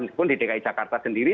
meskipun di dki jakarta sendiri